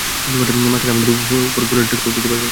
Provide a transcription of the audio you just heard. Master, আমাদের ওপর ফুলের টোকাও দিতে পারবি না।